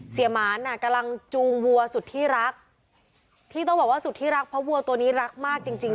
หมานอ่ะกำลังจูงวัวสุดที่รักที่ต้องบอกว่าสุดที่รักเพราะวัวตัวนี้รักมากจริงจริง